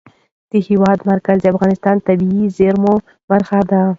د هېواد مرکز د افغانستان د طبیعي زیرمو برخه ده.